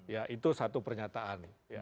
ya itu satu pernyataan